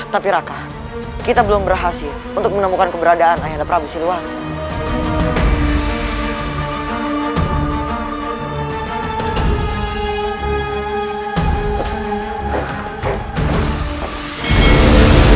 tapi raka kita belum berhasil untuk menemukan keberadaan ayahanda prabu siliwangi